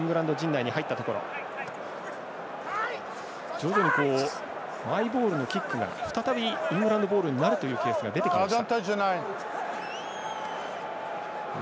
徐々にマイボールのキックが再びイングランドボールになるというケースが出てきました。